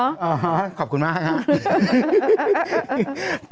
ขอบคุณมากครับ